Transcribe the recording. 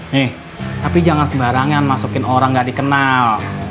nih tapi jangan sembarangan masukin orang gak dikenal